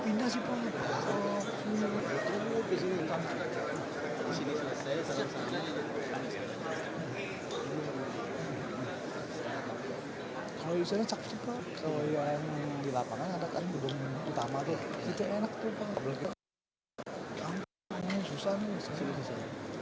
bangunlah jiwanya bangunlah badannya untuk indonesia raya